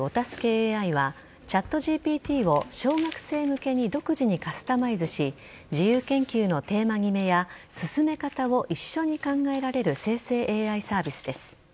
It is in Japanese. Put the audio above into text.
ＡＩはＣｈａｔＧＰＴを小学生向けに独自にカスタマイズし自由研究のテーマ決めや進め方を一緒に考えられる生成ＡＩサービスです。